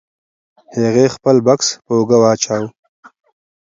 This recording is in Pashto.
هغې خپل بکس په اوږه واچاوه.